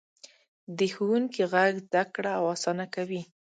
د ښوونکي غږ زده کړه اسانه کوي.